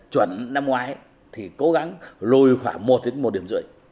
chuẩn năm ngoái thì cố gắng lùi khoảng một đến một điểm rưỡi